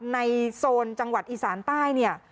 โซนจังหวัดอีสานใต้เนี่ย